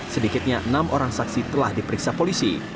sedikitnya enam orang saksi telah diperiksa polisi